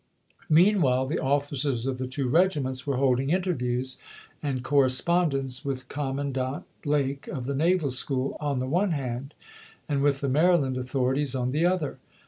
Meanwhile the officers of the two regiments were holding interviews and correspondence with Commandant Blake of the Naval School on the one hand, and with the Maryland authorities on the other.